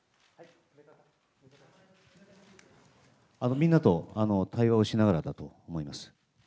みんなと対話をしながらだと思います。